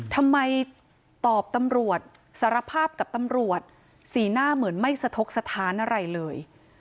ทำไมตอบตำรวจสารภาพกับตำรวจสีหน้าเหมือนไม่สะทกสถานอะไรเลย